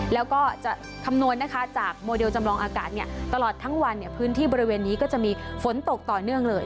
แล้วก็จะคำนวณนะคะจากโมเดลจำลองอากาศตลอดทั้งวันพื้นที่บริเวณนี้ก็จะมีฝนตกต่อเนื่องเลย